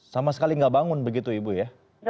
sama sekali nggak bangun begitu ibu ya